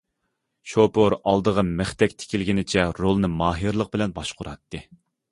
شوپۇر ئالدىغا مىختەك تىكىلگىنىچە رولىنى ماھىرلىق بىلەن باشقۇراتتى.